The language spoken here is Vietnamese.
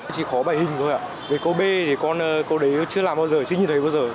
chỉ khó bài hình thôi ạ với câu b thì con câu đấy chưa làm bao giờ chưa nhìn thấy bao giờ